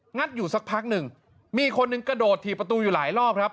ัดอยู่สักพักหนึ่งมีคนหนึ่งกระโดดถี่ประตูอยู่หลายรอบครับ